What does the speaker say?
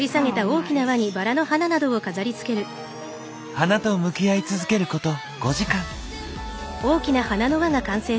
花と向き合い続けること５時間。